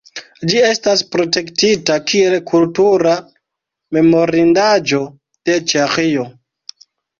Ĝi estas protektita kiel kultura memorindaĵo de Ĉeĥio.